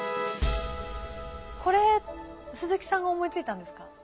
これ鈴木さんが思いついたんですか？